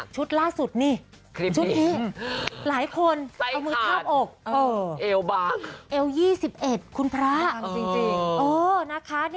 ชุดล่าสุดนี่